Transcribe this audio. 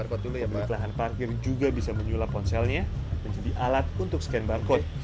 pemilik lahan parkir juga bisa menyulap ponselnya menjadi alat untuk scan barcode